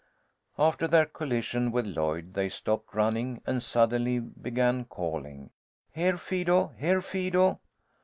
After their collision with Lloyd they stopped running, and suddenly began calling, "Here, Fido! Here, Fido!"